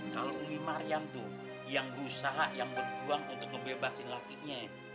kalau umi maryam tuh yang rusak yang berjuang untuk ngebebasin lakinya